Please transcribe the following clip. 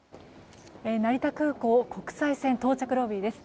成田空港国際線到着ロビーです。